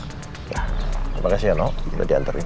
terima kasih ya no udah diantarin